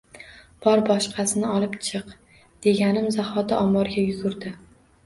Bor, boshqasini olib chiq, deganim zahoti omborga yugurdi